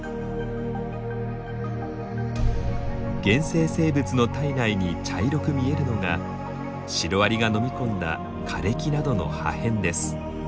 原生生物の体内に茶色く見えるのがシロアリが飲み込んだ枯れ木などの破片です。